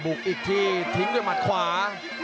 ปลุกอีกที่ทิ้งด้วยมัดขวา